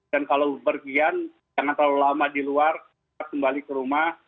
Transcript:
dan kalau berpergian jangan terlalu lama di luar kembali ke rumah